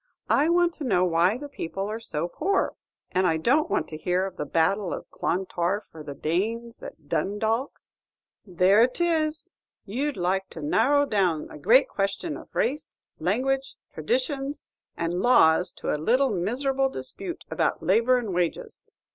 "I want to know why the people are so poor, and I don't want to hear of the battle of Clontarf, or the Danes at Dundalk." "There it is, you'd like to narrow down a great question of race, language, traditions, and laws to a little miserable dispute about labor and wages.